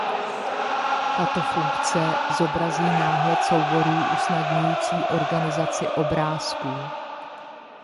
Tato funkce zobrazí náhled souborů usnadňující organizaci obrázků.